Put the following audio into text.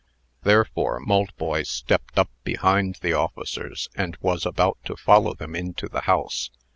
Therefore, Maltboy stepped up behind the officers, and was about to follow them into the house.